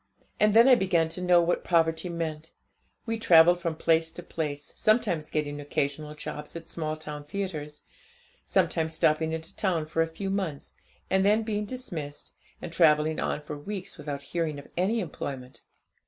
And then I began to know what poverty meant. We travelled from place to place, sometimes getting occasional jobs at small town theatres, sometimes stopping at a town for a few months, and then being dismissed, and travelling on for weeks without hearing of any employment.